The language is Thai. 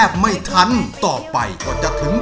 เกิดเสียแฟนไปช่วยไม่ได้นะ